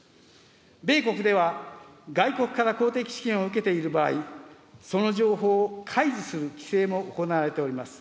米国では、外国から公的資金を受けている場合、その情報を開示する規制も行われております。